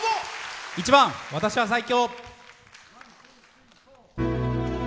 １番「私は最強」。